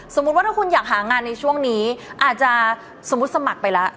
สมมุติว่าถ้าคุณอยากหางานในช่วงนี้อาจจะสมมุติสมัครไปแล้ว